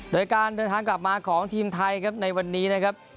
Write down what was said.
โดยการเดินทางกลับมาของทีมไทยครับในวันนี้นะครับ